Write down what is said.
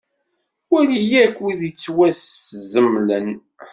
Wali akk wid yettwaszemlen aṭas.